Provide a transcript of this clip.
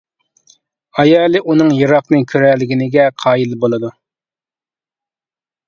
ئايالى ئۇنىڭ يىراقنى كۆرەلىگىنىگە قايىل بولىدۇ.